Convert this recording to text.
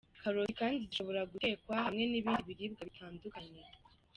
Karoti kandi zishobora gutekwa hamwe n’ibindi biribwa bitandukanye.